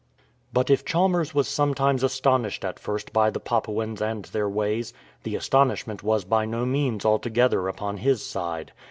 But if Chalmers was sometimes astonished at first by the Papuans and their ways, the astonishment was by no means altogether upon his side.